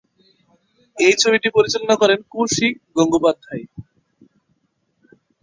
এই ছবিটি পরিচালনা করেন কৌশিক গঙ্গোপাধ্যায়।